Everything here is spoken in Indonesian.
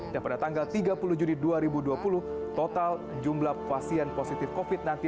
dan pada tanggal tiga puluh juni dua ribu dua puluh total jumlah pasien positif covid sembilan belas